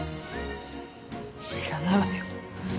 知らないわよ。